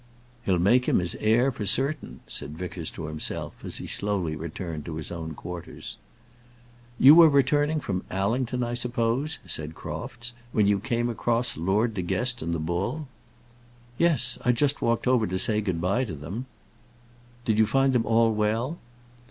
"He'll make him his heir for certain," said Vickers to himself, as he slowly returned to his own quarters. "You were returning from Allington, I suppose," said Crofts, "when you came across Lord De Guest and the bull?" "Yes: I just walked over to say good by to them." "Did you find them all well?"